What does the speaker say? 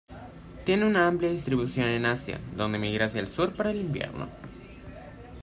Tiene una amplia distribución en Asia, donde migra hacia el sur para el invierno.